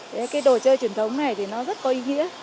thế cái đồ chơi truyền thống này thì nó rất có ý nghĩa